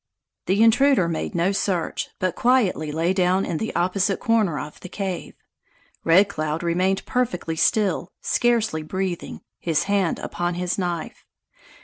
The intruder made no search but quietly lay down in the opposite corner of the cave. Red Cloud remained perfectly still, scarcely breathing, his hand upon his knife.